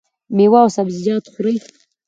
میوه او سبزیجات خورئ؟